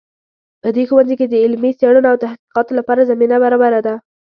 په دې ښوونځي کې د علمي څیړنو او تحقیقاتو لپاره زمینه برابره ده